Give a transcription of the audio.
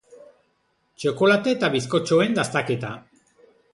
Txokolate eta bizkotxoen dastaketa.